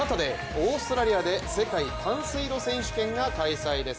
オーストラリアで世界短水路選手権が開催です。